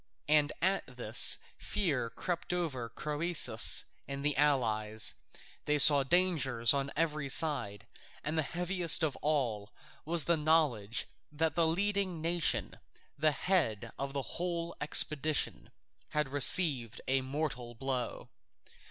And at this fear crept over Croesus and the allies; they saw dangers on every side, and heaviest of all was the knowledge that the leading nation, the head of the whole expedition, had received a mortal blow.